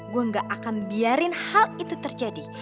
gue gak akan biarin hal itu terjadi